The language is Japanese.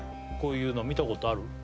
こういうの見たことある？